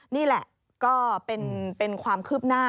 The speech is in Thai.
นี่แหละก็เป็นความคืบหน้า